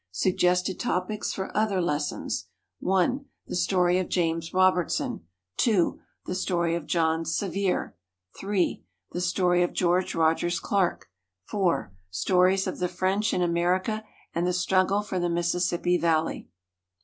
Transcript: Suggested Topics for Other Lessons: (1) The Story of James Robertson. (2) The Story of John Sevier. (3) The Story of George Rogers Clark. (4) Stories of the French in America and the Struggle for the Mississippi Valley.